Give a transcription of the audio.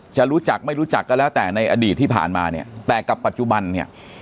จะรู้จักไม่รู้จักก็แล้วแต่ในอดีตที่ผ่านมาเนี่ยแต่กับปัจจุบันเนี่ย